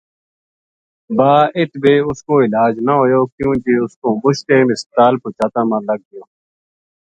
با اِت بے اس کو علاج نہ ہویو کیوں جے اس کو مُچ ٹیم ہسپتال پوہچاتاں ما لگ گیو